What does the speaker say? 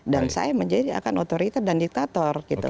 dan saya menjadi akan otoritas dan diktator